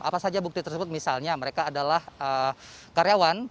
apa saja bukti tersebut misalnya mereka adalah karyawan